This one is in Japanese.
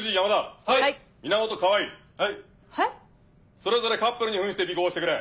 それぞれカップルに扮して尾行をしてくれ。